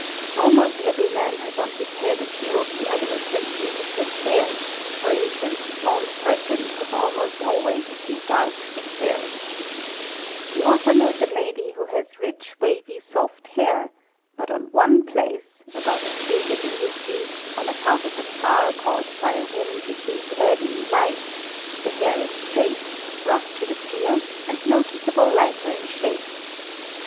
| Almost every man has on his head a few of the other essentially _ different hairs, for instance blonde persons have almost always a few dark _ thick hairs. The author knows a lady who has rich wavy soft hair, but on one place, about as big as a rupee, on account of a scar caused by a wound received early in life, the hair is straight, rough to the feel, and noticeably lighter in shade.